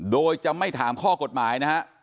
โดยจะไม่ถามข้อกฎหมายนะฮะ